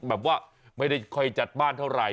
แบบว่าไม่ได้ค่อยจัดบ้านเท่าไหร่